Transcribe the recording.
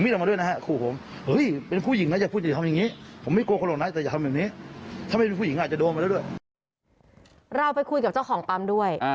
เราไปคุยกับเจ้าของปั๊มด้วย